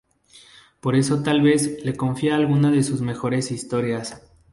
Por eso tal vez le confía algunas de sus mejores historias.